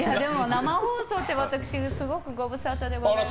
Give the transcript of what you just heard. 生放送って私すごくご無沙汰でございます。